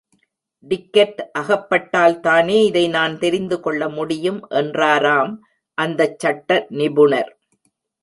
Ticket அகப்பட்டால்தானே இதை நான் தெரிந்து கொள்ள முடியும் என்றாராம் அந்தச் சட்ட நிபுணர்.